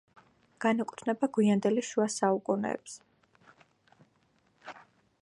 განეკუთვნება გვიანდელი შუა საუკუნეებს.